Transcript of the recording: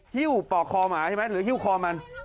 ฮิ้วปอกคอหมาหรือฮิ้วคอมัน